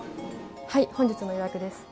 はい、本日の予約です。